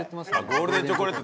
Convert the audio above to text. ゴールデンチョコレート